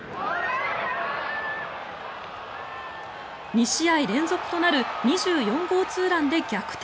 ２試合連続となる２４号ツーランで逆転。